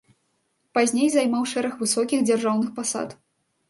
Пазней займаў шэраг высокіх дзяржаўных пасад.